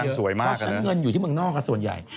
เพราะฉะนั้นเงินอยู่ที่เมืองนอกส่วนใหญ่